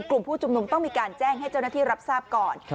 กลุ่มผู้ชุมนุมต้องมีการแจ้งให้เจ้าหน้าที่รับทราบก่อน